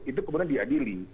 itu kemudian diadili